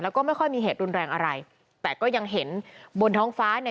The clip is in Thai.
แล้วก็ไม่ค่อยมีเหตุรุนแรงอะไรแต่ก็ยังเห็นบนท้องฟ้าเนี่ย